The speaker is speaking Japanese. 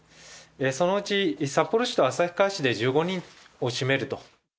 そのうち札幌市と旭川市で１５人を占めると。